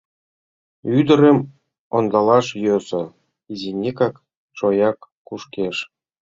Ӱдырым ондалаш йӧсӧ — изинекак шояк кушкеш.